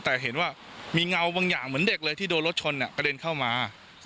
แต่เห็นว่ามีเงาบางอย่างเหมือนเด็กเลยที่โดนรถชนกระเด็นเข้ามา